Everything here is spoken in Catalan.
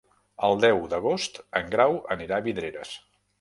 El deu d'agost en Grau anirà a Vidreres.